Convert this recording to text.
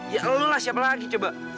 ya allah lah siapa lagi coba